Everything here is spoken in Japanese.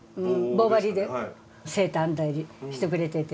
棒針でセーター編んだりしてくれてて。